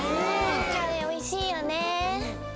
カレーおいしいよね。